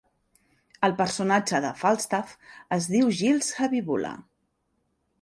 El personatge de Falstaff es diu Giles Habibula.